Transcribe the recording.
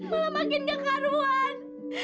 malah makin nggak karuan